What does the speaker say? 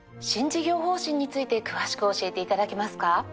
新事業方針について詳しく教えて頂けますか？